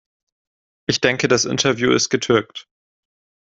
Ich denke, das Interview ist getürkt.